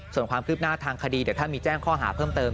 ส่วนความคืบหน้าทางคดีเดี๋ยวถ้ามีแจ้งข้อหาเพิ่มเติม